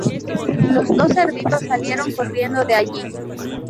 Los dos cerditos salieron corriendo de allí.